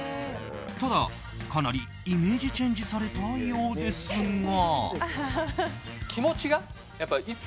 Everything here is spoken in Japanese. ただ、かなりイメージチェンジされたようですが。